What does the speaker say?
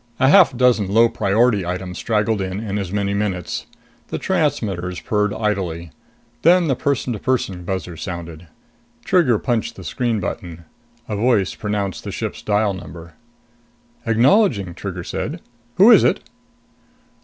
A half dozen low priority items straggled in, in as many minutes. The transmitters purred idly. Then the person to person buzzer sounded. Trigger punched the screen button. A voice pronounced the ship's dial number. "Acknowledging," Trigger said. "Who is it?"